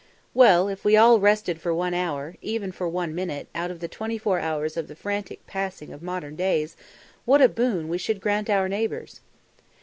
Well, if we all rested for one hour, even for one minute, out of the twenty four during the frantic passing of modern days, what a boon we should grant our neighbours!